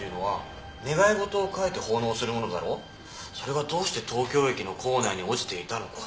それがどうして東京駅の構内に落ちていたのか。